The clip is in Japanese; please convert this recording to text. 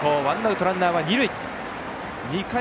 ワンアウトランナーは二塁。